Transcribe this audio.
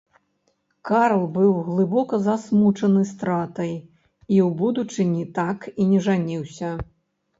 Карл быў глыбока засмучаны стратай, і ў будучыні так і не жаніўся.